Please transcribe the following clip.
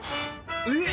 えっ！